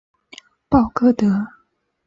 鲍戈德。